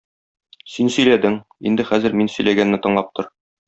Син сөйләдең, инде хәзер мин сөйләгәнне тыңлап тор.